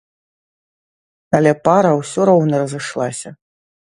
Але пара ўсё роўна разышлася.